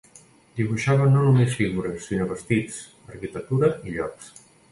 Dibuixava no només figures, sinó vestits, arquitectura i llocs.